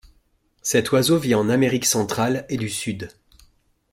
Cet oiseau vit en Amérique centrale et du Sud.